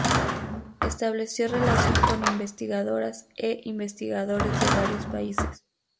Estableció relación con investigadoras e investigadores de varios países.